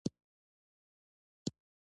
د خوړو نه مخکې لاسونه مینځل اړین دي.